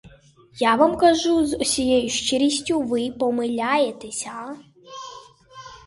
Я вам кажу з усією щирістю: ви помиляєтеся!